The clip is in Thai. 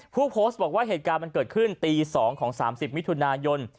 ผู้โพสต์บอกว่าเหตุการณ์มันเกิดขึ้นตี๒ของ๓๐มิถุนายน